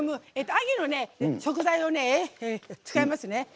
秋のね、食材を使いますね。